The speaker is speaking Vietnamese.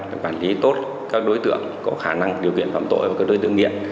để quản lý tốt các đối tượng có khả năng điều kiện phạm tội và các đối tượng nghiện